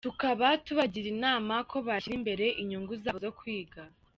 Tukaba tubagira inama ko bashyira imbere inyungu zabo zo kwiga.